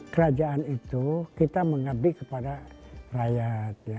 kerajaan itu kita mengabdi kepada rakyat